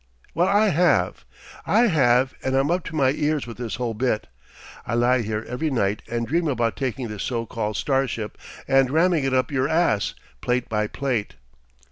"Well, I have. I have and I'm up to my ears with this whole bit. I lie here every night and dream about taking this so called starship and ramming it up your ass, plate by plate..."